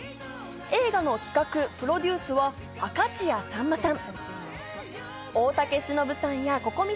映画の企画・プロデュースは明石家さんまさん。